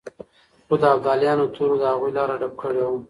خو د ابدالیانو تورو د هغوی لاره ډب کړې وه.